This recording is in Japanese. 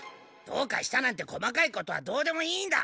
どうかしたなんて細かいことはどうでもいいんだ！